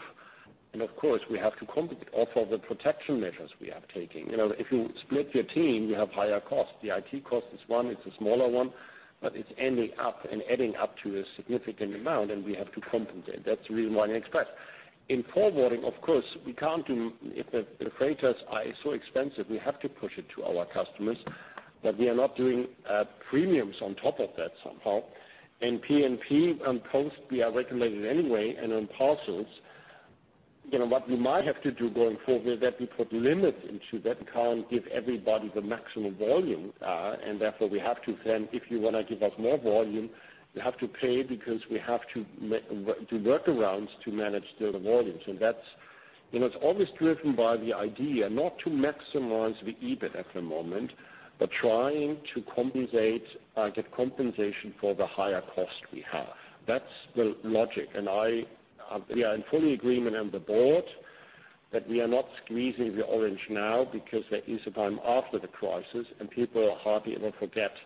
and of course we have to compensate. Also, the protection measures we are taking. If you split your team, you have higher costs. The IT cost is one, it's a smaller one, but it's ending up and adding up to a significant amount, and we have to compensate. That's the reason why at DHL Express. In DGFF, of course, we can't do it if the freighters are so expensive, we have to push it to our customers, but we are not doing premiums on top of that somehow. In P&P and Post, we are regulated anyway. In parcels, what we might have to do going forward is that we put limits into that. We can't give everybody the maximum volume. Therefore, we have to then, if you want to give us more volume, you have to pay because we have to do workarounds to manage the volumes. It's always driven by the idea not to maximize the EBIT at the moment but to try to get compensation for the higher cost we have. That's the logic, and we are in full agreement on the board that we are not squeezing the orange now because there is a time after the crisis, and people are hardly ever forgetful.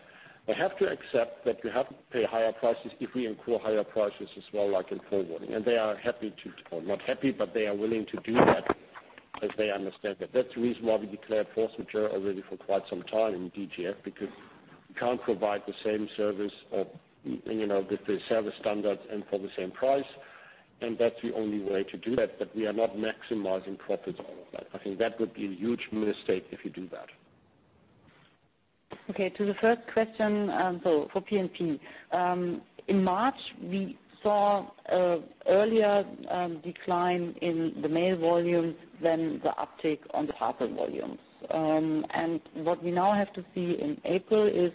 They have to accept that they have to pay higher prices if we incur higher prices as well, like in forwarding. They are happy to or not happy, but they are willing to do that as they understand that. That's the reason why we declared force majeure already for quite some time in DGF, because we can't provide the same service or the service standards for the same price, and that's the only way to do that. We are not maximizing profits out of that. I think that would be a huge mistake if we do that. To the first question, for P&P. In March, we saw an earlier decline in the mail volumes than the uptake on the parcel volumes. What we now have to see in April is,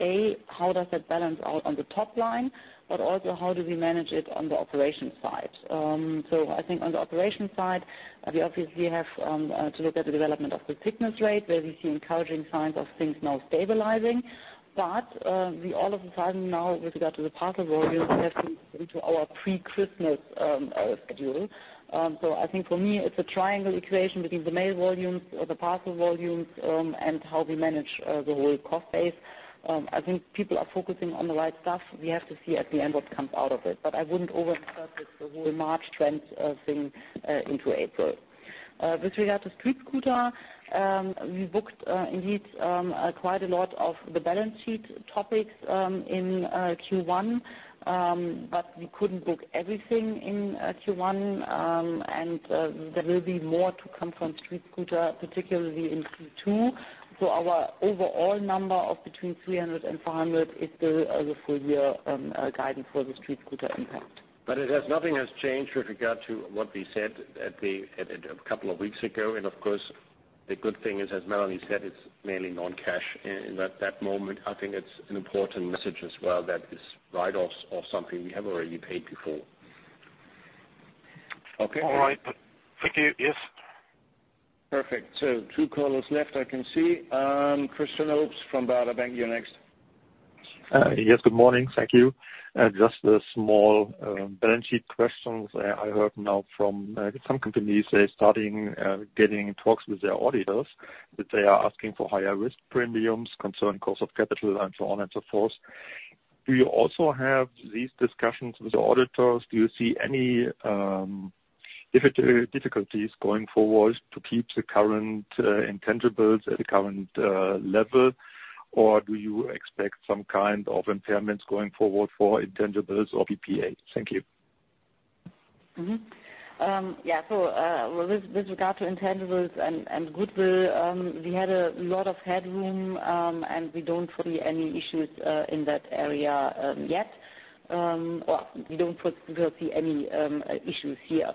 A, how does that balance out on the top line? Also, how do we manage it on the operations side? I think on the operations side, we obviously have to look at the development of the sickness rate, where we see encouraging signs of things now stabilizing. We all of a sudden now, with regard to the parcel volumes, we have to go into our pre-Christmas schedule. I think for me, it's a triangle equation between the mail volumes or the parcel volumes, and how we manage the whole cost base. I think people are focusing on the right stuff. We have to see at the end what comes out of it. I wouldn't [inaudible] the whole March trend thing into April. With regard to StreetScooter, we booked, indeed, quite a lot of the balance sheet topics in Q1. We couldn't book everything in Q1. There will be more to come from StreetScooter, particularly in Q2. Our overall number of between 300 and 400 is still the full-year guidance for the StreetScooter impact. Nothing has changed with regard to what we said a couple of weeks ago. Of course, the good thing is, as Melanie said, it's mainly non-cash. In that moment, I think it's an important message as well that it's write-offs of something we have already paid for before. Okay. All right. Thank you. Yes, perfect. Two callers left, I can see. Christian Obst from Baader Bank, you're next. Yes, good morning. Thank you. Just a small balance sheet question. I heard now from some companies that they're starting getting talks with their auditors, that they are asking for higher risk premiums, concerned cost of capital, and so on and so forth. Do you also have these discussions with the auditors? Do you see any difficulties going forward to keep the current intangibles at the current level? Or do you expect some kind of impairments going forward for intangibles or PPA? Thank you. Yeah. With regard to intangibles and goodwill, we had a lot of headroom, and we don't foresee any issues in that area yet. Well, we don't foresee any issues here.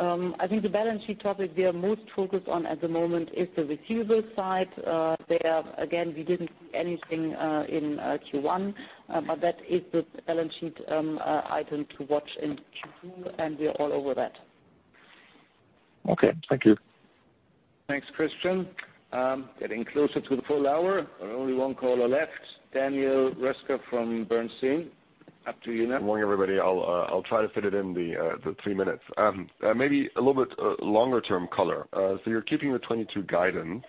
I think the balance sheet topic we are most focused on at the moment is the receivables side. There, again, we didn't see anything in Q1. That is the balance sheet item to watch in Q2, and we are all over that. Okay, thank you. Thanks, Christian. Getting closer to the full hour. Only one caller left. Daniel Roeska from Bernstein, up to you now. Good morning, everybody. I'll try to fit it in the three minutes. Maybe a little bit longer-term color. You're keeping the 2022 guidance,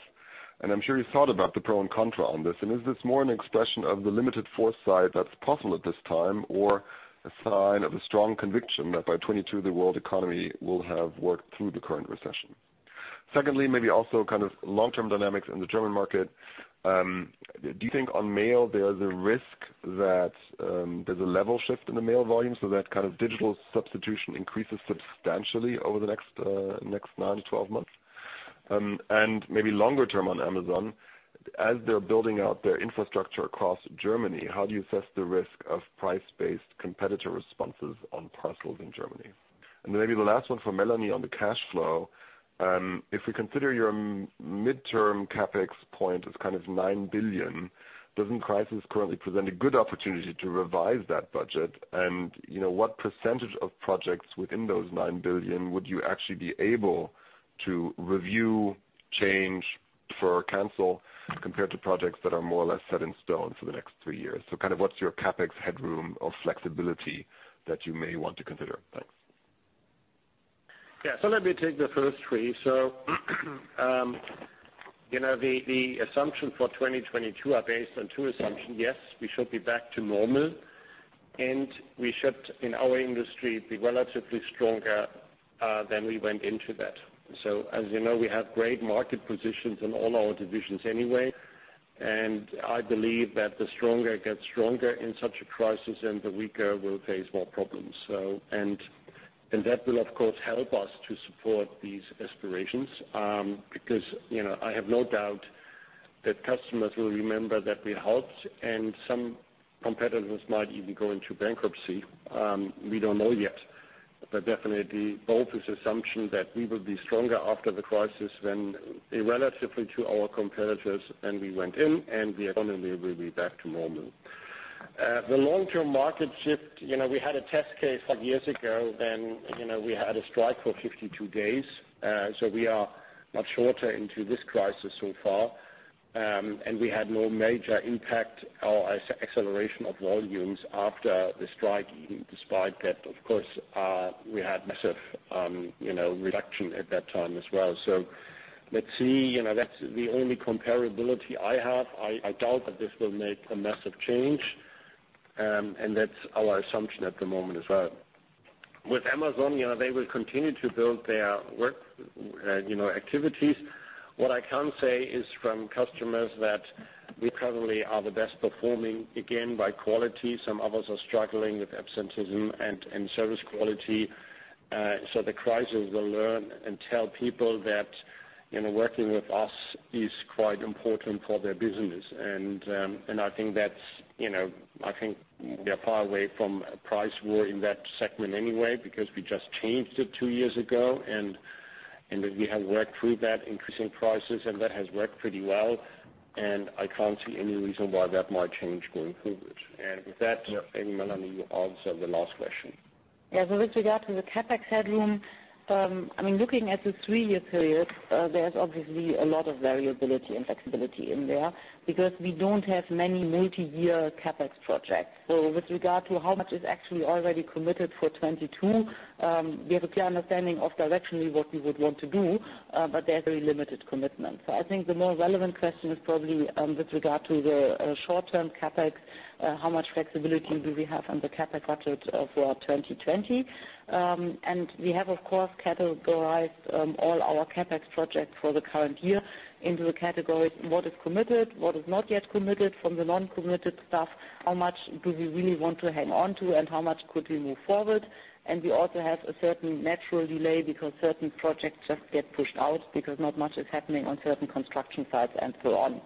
and I'm sure you thought about the pros and cons on this. Is this more an expression of the limited foresight that's possible at this time or a sign of a strong conviction that by 2022 the world economy will have worked through the current recession? Secondly, maybe also kind of long-term dynamics in the German market. Do you think that on mail there's a risk that there's a level shift in the mail volume so that kind of digital substitution increases substantially over the next nine to 12 months? Maybe longer term on Amazon, as they're building out their infrastructure across Germany, how do you assess the risk of price-based competitor responses on parcels in Germany? Maybe the last one for Melanie on the cash flow. If we consider your midterm CapEx point as kind of 9 billion, doesn't the crisis currently present a good opportunity to revise that budget? What percentage of projects within those 9 billion would you actually be able to review, change, defer, or cancel compared to projects that are more or less set in stone for the next three years? Kind of, what's your CapEx headroom of flexibility that you may want to consider? Thanks. Yeah. Let me take the first three. The assumptions for 2022 are based on two assumptions. Yes, we should be back to normal, and we should, in our industry, be relatively stronger than we went into that. As you know, we have great market positions in all our divisions anyway, and I believe that the stronger get stronger in such a crisis, and the weaker will face more problems. That will, of course, help us to support these aspirations. Because I have no doubt that customers will remember that we helped, and some competitors might even go into bankruptcy. We don't know yet. Definitely, both this assumption that we will be stronger after the crisis than our competitors than we went in and the economy will be back to normal. The long-term market shift: we had a test case some years ago when we had a strike for 52 days. We are much shorter on this crisis so far. We had no major impact or acceleration of volumes after the strike, despite that, of course, we had a massive reduction at that time as well. Let's see. That's the only comparability I have. I doubt that this will make a massive change. That's our assumption at the moment as well. With Amazon, they will continue to build their work activities. What I can say is that from customers' perspectives, we currently are the best performing, again, by quality. Some others are struggling with absenteeism and service quality. The crisis will learn and tell people that working with us is quite important for their business. I think we are far away from a price war in that segment anyway, because we just changed it two years ago. That we have worked through that increasing prices, and that has worked pretty well. I can't see any reason why that might change going forward. With that, maybe Melanie, you answer the last question. Yeah. With regard to the CapEx headroom, looking at the three-year period, there's obviously a lot of variability and flexibility in there because we don't have many multi-year CapEx projects. With regard to how much is actually already committed for 2022, we have a clear understanding of directionally what we would want to do, but there are very limited commitments. I think the more relevant question is probably with regard to the short-term CapEx, how much flexibility do we have on the CapEx budget for 2020? We have, of course, categorized all our CapEx projects for the current year into the categories of what is committed and what is not yet committed. From the non-committed stuff, how much do we really want to hang on to, and how much could we move forward? We also have a certain natural delay because certain projects just get pushed out because not much is happening on certain construction sites and so on.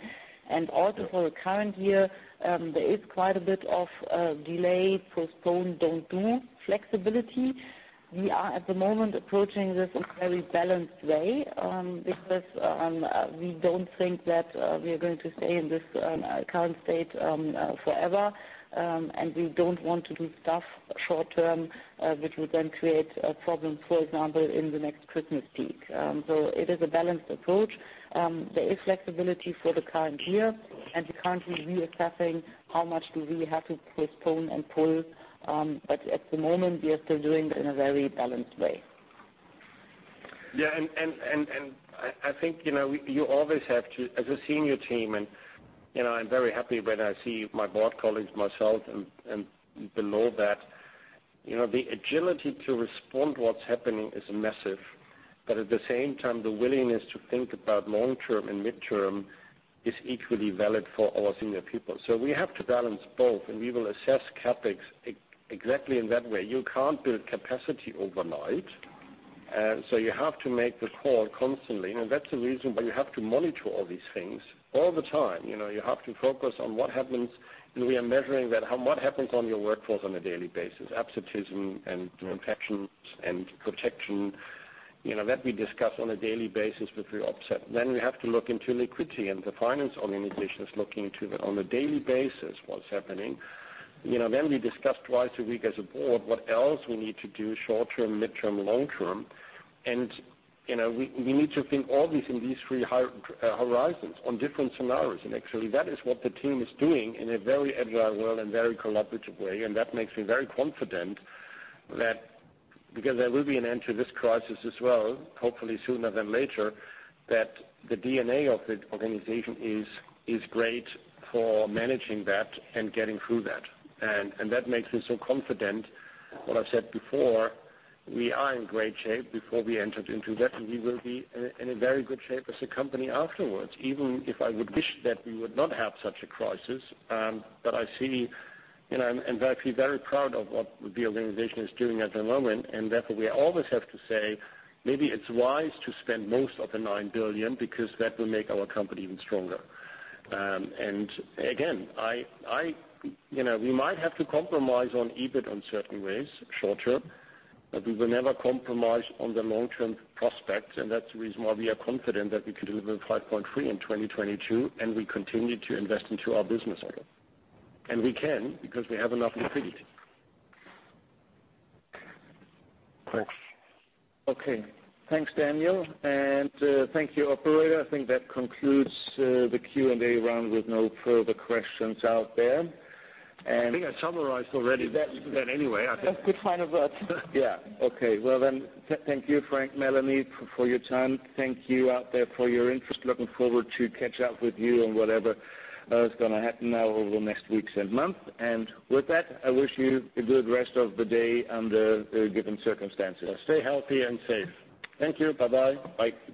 Also for the current year, there is quite a bit of delay, postponement, and lack of flexibility. We are, at the moment, approaching this in a very balanced way because we don't think that we are going to stay in this current state forever, and we don't want to do stuff short-term, which will then create problems, for example, in the next Christmas peak. It is a balanced approach. There is flexibility for the current year, and we're currently reassessing how much we have to postpone and pull. At the moment, we are still doing it in a very balanced way. Yeah, and I think you always have to as a senior team, and I'm very happy when I see my board colleagues, myself, and those below that. The agility to respond to what's happening is massive. At the same time, the willingness to think about the long term and midterm is equally valid for our senior people. We have to balance both, and we will assess CapEx exactly in that way. You can't build capacity overnight, so you have to make the call constantly. That's the reason why you have to monitor all these things all the time. You have to focus on what happens, and we are measuring that. What happens to your workforce on a daily basis: absenteeism and infections and protection. That we discuss on a daily basis with your offset. We have to look into liquidity, and the finance organization is looking into what's happening on a daily basis. We discuss twice a week as a board what else we need to do short-term, midterm, and long-term. We need to think about all these in these three horizons on different scenarios. Actually that is what the team is doing in a very agile world and collaborative way. That makes me very confident that because there will be an end to this crisis as well, hopefully sooner than later, that the DNA of the organization is great for managing that and getting through that. That makes me so confident in what I've said before, we are in great shape. Before we entered into that, we will be in very good shape as a company afterwards. Even if I would wish that we would not have such a crisis, I see and I feel very proud of what the organization is doing at the moment. Therefore, we always have to say maybe it's wise to spend most of the 9 billion because that will make our company even stronger. Again, we might have to compromise on EBIT in certain ways short-term, but we will never compromise on the long-term prospects. That's the reason why we are confident that we can deliver 5.3 billion in 2022, and we continue to invest in our business model. We can because we have enough liquidity. Thanks. Okay. Thanks, Daniel, and thank you, operator. I think that concludes the Q&A round with no further questions out there. I think I summarized already that anyway, I think. Those are good final words. Yeah. Okay. Thank you, Frank and Melanie, for your time. Thank you out there for your interest. Looking forward to catching up with you on whatever is going to happen now over the next weeks and months. With that, I wish you a good rest of the day under the given circumstances. Stay healthy and safe. Thank you. Bye-bye. Bye.